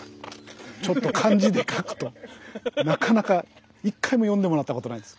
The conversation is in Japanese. ちょっと漢字で書くとなかなか一回も読んでもらったことないです。